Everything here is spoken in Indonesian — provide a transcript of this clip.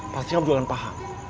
pasti abdulkan paham